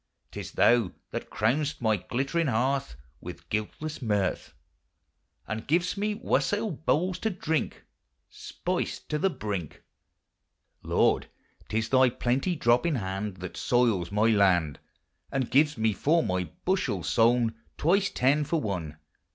'T is thou that crown'st my glittering hearth With guiltlesse mirth. And giv'st me wassaile bowles to drink, 248 THE HIGHER LIFE. Spiced to the brink. Lord, 'tis thy plenty dropping hand That soiles my land. And gives me for my bushel sowne. Twice ten for one.